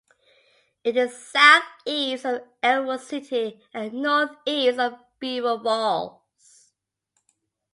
It is southeast of Ellwood City and northeast of Beaver Falls.